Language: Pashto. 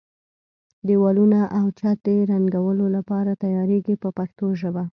دېوالونه او چت د رنګولو لپاره تیاریږي په پښتو ژبه.